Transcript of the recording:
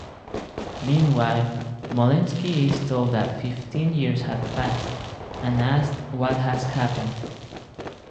Meanwhile, Molenski is told that fifteen years have passed, and asked what has happened.